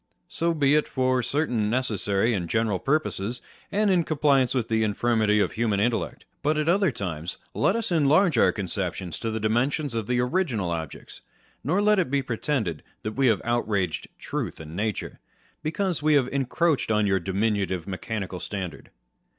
So be it, for certain necessary and general purposes, and in compliance with the infirmity of human intellect : but at other times, let us enlarge our conceptions to the dimensions of the original objects ; nor 1 Cymbeline, iii. 4. On Reason and Imagination. 59 let it be pretended that we have outraged truth and nature, because we have encroached on your diminutive mechanical standard.